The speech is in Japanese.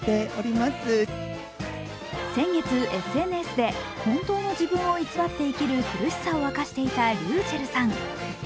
先月、ＳＮＳで本当の自分を偽って生きる苦しさを明かしていたｒｙｕｃｈｅｌｌさん。